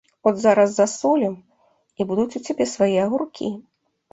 От зараз засолім, і будуць у цябе свае агуркі.